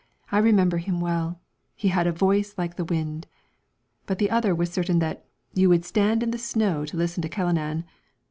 I remember him well. He had a voice like the wind ;' but the other was certain ' that you would stand in the snow to listen to Callanan.'